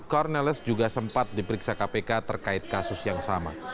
corneles juga sempat diperiksa kpk terkait kasus yang sama